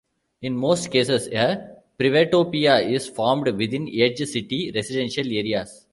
In most cases a 'privatopia' is formed within edge city residential areas.